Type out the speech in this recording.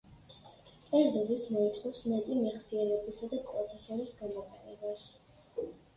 კერძოდ, ის მოითხოვს მეტი მეხსიერებისა და პროცესორის გამოყენებას.